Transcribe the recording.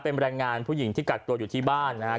เป็นแรงงานผู้หญิงที่กักตัวอยู่ที่บ้านนะครับ